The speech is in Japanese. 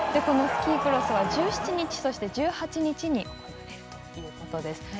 このスキークロスは１７日そして、１８日ということです。